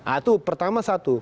itu pertama satu